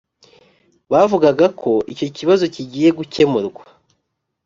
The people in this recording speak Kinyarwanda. bavugaga ko icyo kibazo kigiye gukemurwa.